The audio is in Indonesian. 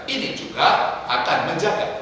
ini juga akan menjaga